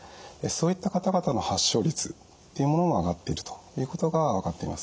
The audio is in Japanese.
そういった方々の発症率っていうものも上がっているということが分かっています。